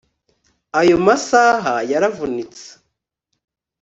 ayo masaha yaravunitse